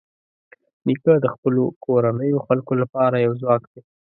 نیکه د خپلو کورنیو خلکو لپاره یو ځواک دی.